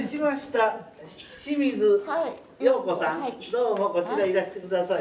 どうもこちらいらして下さい。